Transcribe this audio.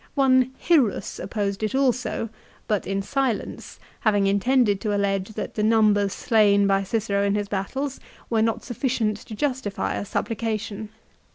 One Hirrus opposed it also, but in silence, having intended to allege that the numbers slain by Cicero in his battles were not sufficient to justify a sup plication.